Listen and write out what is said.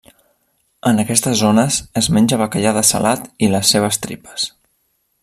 En aquestes zones es menja bacallà dessalat i les seves tripes.